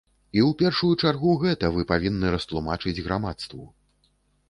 І ў першую чаргу гэта вы павінны растлумачыць грамадству.